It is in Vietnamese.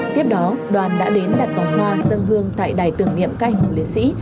tiếp đó đoàn đã đến đặt vòng hoa dân hương tại đài tưởng niệm các anh hùng liên sĩ